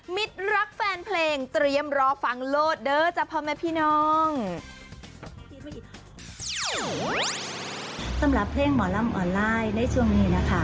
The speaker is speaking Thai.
รักแฟนเพลงเตรียมรอฟังโลศเด้อจ้ะพ่อแม่พี่น้อง